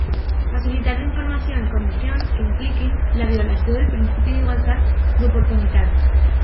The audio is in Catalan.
Facilitar informació en condicions que impliquin la violació del principi d'igualtat d'oportunitats.